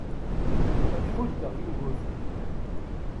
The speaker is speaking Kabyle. Ad ḥuddeɣ Yugurten.